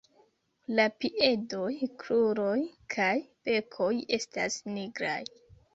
La piedoj, kruroj kaj bekoj estas nigraj.